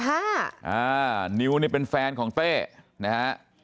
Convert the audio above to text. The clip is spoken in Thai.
นิวนี่เป็นแฟนของเต้นะฮะ